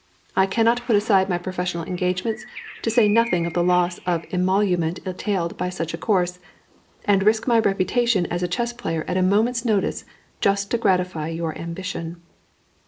I cannot put aside my professional engagements, to say nothing of the loss of emolument entailed by such a course, and risk my reputation as a chess player at a moment's notice, just to gratify your ambition."